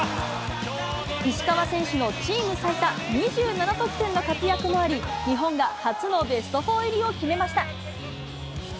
石川選手のチーム最多２７得点の活躍もあり、日本が初のベスト４入りを決めました。